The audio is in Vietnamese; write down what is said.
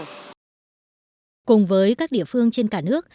cùng với các địa phương trên cả nước